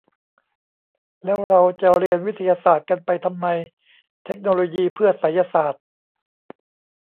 แล้วเราจะเรียนวิทยาศาสตร์กันไปทำไม เทคโนโลยีเพื่อไสยศาสตร์ ?